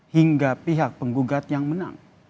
hingga pihak penggugat yang menang